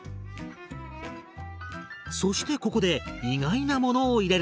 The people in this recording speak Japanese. そしてここで意外なものを入れるんです。